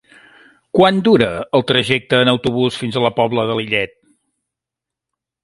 Quant dura el trajecte en autobús fins a la Pobla de Lillet?